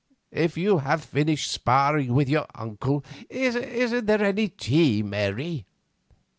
"If you have finished sparring with your uncle, isn't there any tea, Mary?"